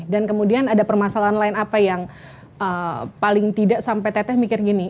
dan kemudian ada permasalahan lain apa yang paling tidak sampai teteh mikir gini